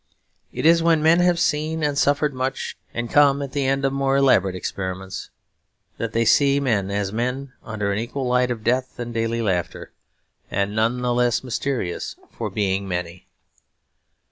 It is when men have seen and suffered much and come at the end of more elaborate experiments, that they see men as men under an equal light of death and daily laughter; and none the less mysterious for being many.